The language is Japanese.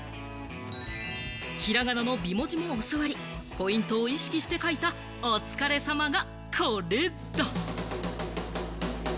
ひらがなの美文字も教わり、ポイントを意識して書いた「お疲れ様」がこれだ！